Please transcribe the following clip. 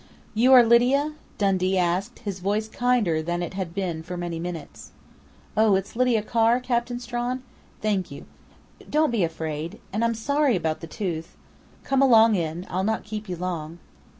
"You are Lydia?" Dundee asked, his voice kinder than it had been for many minutes. "Oh, it's Lydia Carr, Captain Strawn? Thank you.... Don't be afraid. And I'm sorry about the tooth.... Come along in. I'll not keep you long."